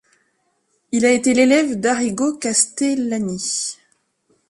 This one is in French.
Il a été l'élève d'Arrigo Castellani.